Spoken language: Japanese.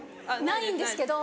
ないんですけど。